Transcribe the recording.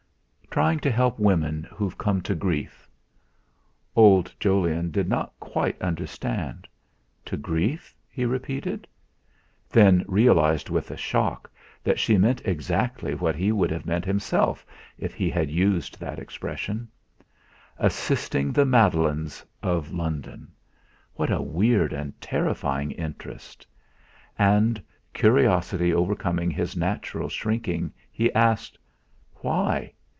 "Trying to help women who've come to grief." Old Jolyon did not quite understand. "To grief?" he repeated; then realised with a shock that she meant exactly what he would have meant himself if he had used that expression. Assisting the Magdalenes of London! What a weird and terrifying interest! And, curiosity overcoming his natural shrinking, he asked: "Why?